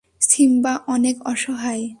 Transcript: Simba অনেক অসহায়।